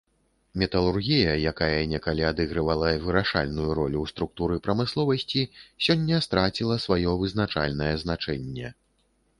Металургія, якая некалі адыгрывала вырашальную ролю ў структуры прамысловасці, сёння страціла сваё вызначальнае значэнне.